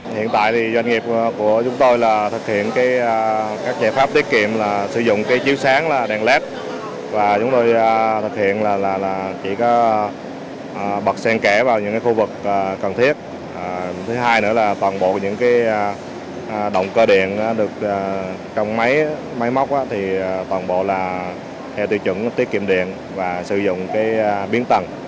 trong máy móc thì toàn bộ là theo tiêu chuẩn tiết kiệm điện và sử dụng biến tầng nó giúp cho tiết kiệm lượng điện rất là đáng kể